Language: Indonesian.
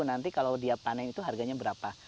nanti kalau dia panen itu harganya berapa